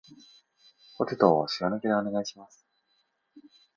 ポテトを塩抜きでお願いします